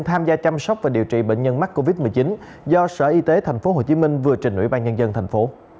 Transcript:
tham gia chăm sóc và điều trị bệnh nhân mắc covid một mươi chín do sở y tế tp hcm vừa trình ủy ban nhân dân tp